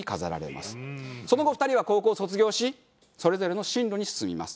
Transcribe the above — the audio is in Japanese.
その後２人は高校を卒業しそれぞれの進路に進みます。